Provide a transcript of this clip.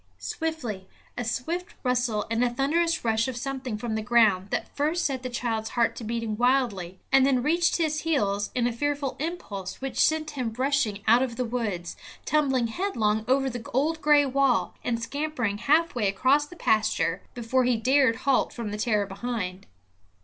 Suddenly a swift rustle and a thunderous rush of something from the ground that first set the child's heart to beating wildly, and then reached his heels in a fearful impulse which sent him rushing out of the woods, tumbling headlong over the old gray wall, and scampering halfway across the pasture before he dared halt from the terror behind.